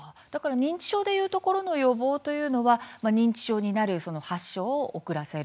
認知症でいうところの予防というのは認知症になるのを遅らせる。